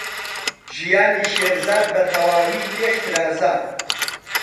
ژیانی شێرزاد بەتەواوی لێک ترازا.